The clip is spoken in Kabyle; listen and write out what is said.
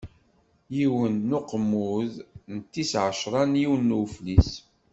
Yiwen n Uqemmud, d tis ɛecṛa n yiwen n Uflis.